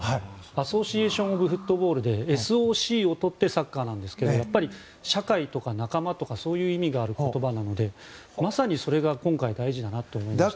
アソシエーション・オブ・フットボールでＳＯＣを取ってサッカーなんですけどやっぱり社会とか仲間とかそういう意味がある言葉なのでまさに今回それが大事だなと思いました。